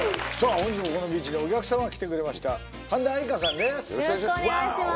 本日もこのビーチにお客様が来てくれました神田愛花さんです